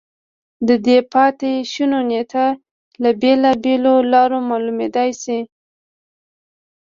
د دې پاتې شونو نېټه له بېلابېلو لارو معلومېدای شي